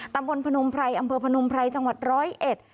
ตำบลพนมไพรอำเภอพนมไพรจังหวัดร้อยเอ็ด